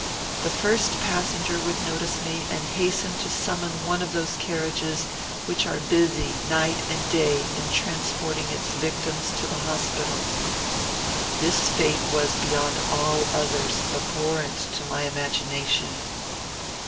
The first passenger would notice me, and hasten to summon one of those carriages which are busy night and day in transporting its victims to the hospital. This fate was, beyond all others, abhorrent to my imagination.